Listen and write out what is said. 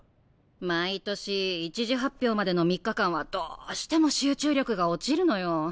毎年１次発表までの３日間はどうしても集中力が落ちるのよ。